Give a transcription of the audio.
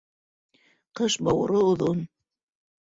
Ҡыш бауыры оҙон.